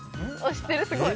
知ってるすごい！